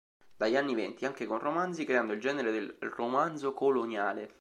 Dagli anni venti anche con romanzi, creando il genere del romanzo coloniale.